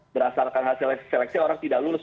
berdasarkan hasil seleksi orang tidak lulus